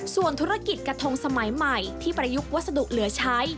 ส่วนธุรกิจกระทงสมัยใหม่ที่ประยุกต์วัสดุเหลือใช้